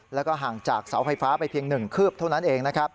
และห่างจากเสาไฟฟ้าไปเพียงหนึ่งคืบเท่านั้นเอง